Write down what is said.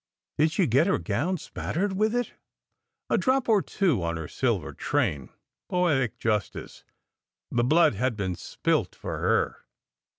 did she get her gown spattered with it?" "A drop or two on her silver train. Poetic justice! The blood had been spilt for her."